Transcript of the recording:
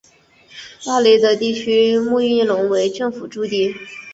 帕雷德地区穆伊隆为政府驻地。